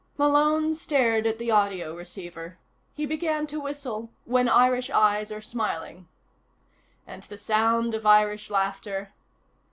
Malone stared at the audio receiver. He began to whistle When Irish Eyes Are Smiling. _... And the sound of Irish laughter....